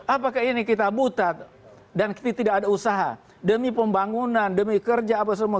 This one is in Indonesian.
apakah ini kita butat dan kita tidak ada usaha demi pembangunan demi kerja apa semua